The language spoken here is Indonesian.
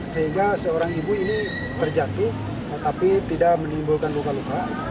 sehingga seorang ibu ini terjatuh tapi tidak menimbulkan luka luka